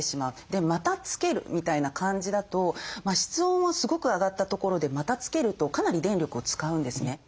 でまたつけるみたいな感じだと室温はすごく上がったところでまたつけるとかなり電力を使うんですね。